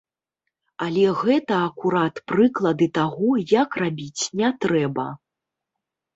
Але гэта акурат прыклады таго, як рабіць не трэба.